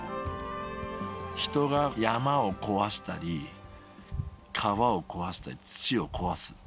人が山を壊したり、川を壊したり、土を壊す。